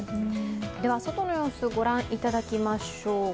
外の様子を御覧いただきましよう。